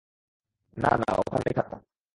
না, না, ওখানেই থাকো।